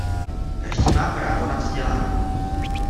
Každý má právo na vzdělání.